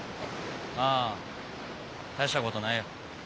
あ大したことないよ。